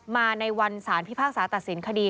มาในวันสารพิพากษาตัดสินคดี